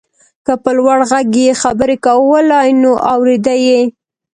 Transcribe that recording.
که په لوړ غږ يې خبرې کولای نو اورېده يې.